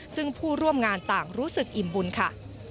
ซึ่งผู้ร่วมงานต่างรู้สึกอิ่มบุญค่ะ